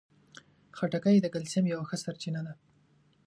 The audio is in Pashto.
خټکی د کلسیم یوه ښه سرچینه ده.